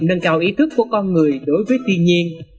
nâng cao ý thức của con người đối với thiên nhiên